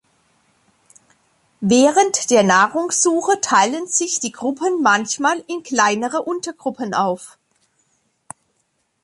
Während der Nahrungssuche teilen sich die Gruppen manchmal in kleinere Untergruppen auf.